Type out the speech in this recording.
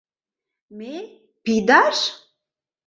— Ме... пидаш?..